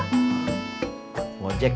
mak kesian nama lo